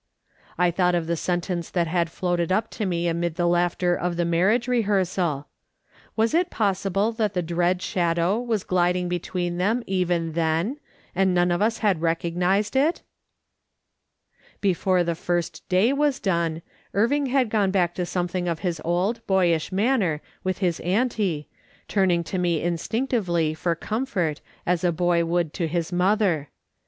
I thought of the sentence that had floated up to me amid the laughter of the marriage rehearsaL Was it possible that the dread shadow was gliding between them even then, and none of us had recog nised it ? Before that first day was done, Irving had gone back to something of his old, boyish manner with his M 2 l64 AfJ!S. SOLOMON SMITH LOOKING ON. auntie, turning to me instinctively for comfort as a boy would to his mother.